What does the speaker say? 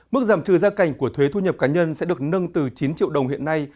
mức giảm trừ gia cảnh của thuế thu nhập cá nhân sẽ được nâng từ chín triệu đồng hiện nay